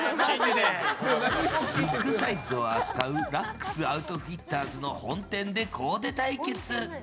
ビッグサイズを扱うラックスアウトフィッターズ本店でコーデ対決。